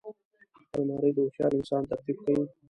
الماري د هوښیار انسان ترتیب ښيي